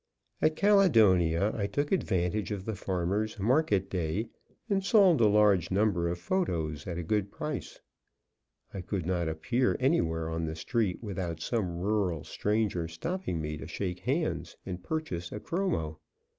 At Caledonia, I took advantage of the farmers' market day and sold a large number of photos at a good price. I could not appear anywhere on the street without some rural stranger stopping me to shake hands and purchase a chromo.